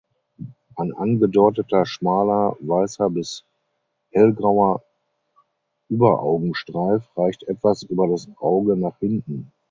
Ein angedeuteter schmaler weißer bis hellgrauer Überaugenstreif reicht etwas über das Auge nach hinten.